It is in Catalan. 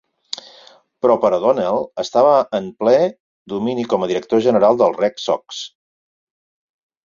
Però per O'Donnell estava en ple domini com a director general dels Red Sox.